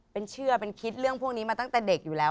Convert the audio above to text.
เป็นเชื่อเป็นคิดเรื่องพวกนี้มาตั้งแต่เด็กอยู่แล้ว